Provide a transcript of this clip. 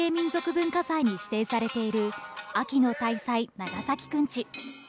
文化財に指定されている、秋の大祭、長崎くんち。